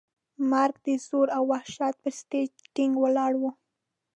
مرګ د زور او وحشت پر سټېج ټینګ ولاړ و.